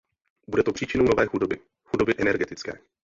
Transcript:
Bude to příčinou nové chudoby, chudoby energetické.